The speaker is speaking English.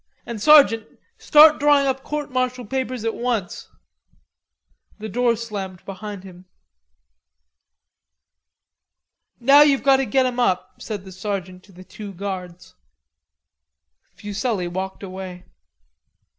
"And sergeant, start drawing up court martial papers at once." The door slammed behind him. "Now you've got to get him up," said the sergeant to the two guards. Fuselli walked away.